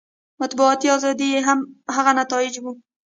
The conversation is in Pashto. مطبوعاتي ازادي یې هغه نتایج وو.